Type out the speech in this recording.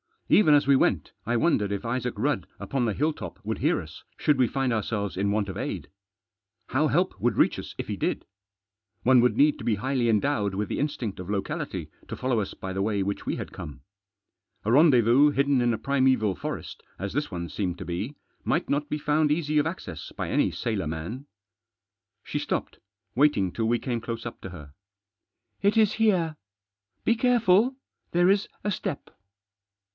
Even as we went I wondered if Isaac Rudd upon the hill top would hear us should we find ourselves in want of aid. How help would reach us if he did. One would need to be highly endowed with the instinct of locality to follow us by the way which we had come. A 16* Digitized by 244 THE JOSS. rendezvous hidden in a primeval forest, as this one seemed to be, might not be found easy of access by any sailor man. She stopped ; waiting till we came close up to her. " It is here. Be careful ; there is a step."